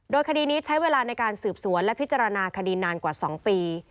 โดยคดีนี้ใช้เวลาในการสืบสวนและพิจารณาคดีนานกว่า๒ปี